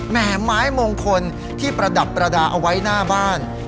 ไม้มงคลที่ประดับประดาษเอาไว้หน้าบ้าน